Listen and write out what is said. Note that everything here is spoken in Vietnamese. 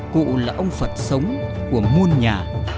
cụ là ông phật sống của muôn nhà